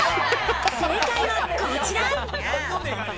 正解はこちら。